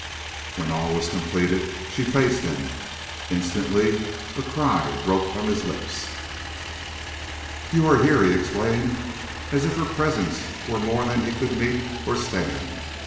When all was completed, she faced him. Instantly a cry broke from his lips: "You here!" he exclaimed, as if her presence were more than he could meet or stand.